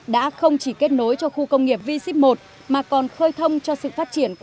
đã không chỉ kết nối cho khu công nghiệp